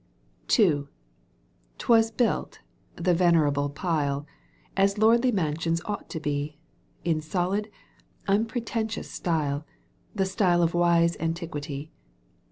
'Twas built, the venerable pile, As lordly mansions ought to be. In solid, unpretentious style, The style of wise antiquity.